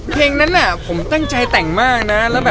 เพลงนั้นผมตั้งใจแต่งมากนะ